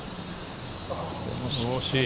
惜しい。